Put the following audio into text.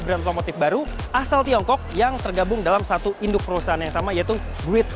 brand otomotif baru asal tiongkok yang tergabung dalam satu induk perusahaan yang sama yaitu grid